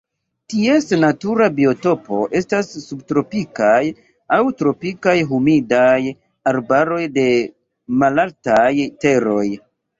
Ties natura biotopo estas subtropikaj aŭ tropikaj humidaj arbaroj de malaltaj teroj.